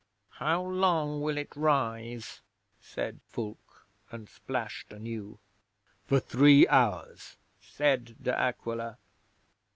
'"How long will it rise?" said Fulke, and splashed anew. '"For three hours," said De Aquila.